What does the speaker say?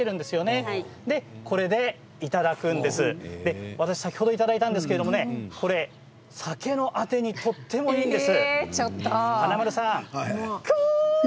先ほど、いただいたんですがお酒のあてにとてもいいんです。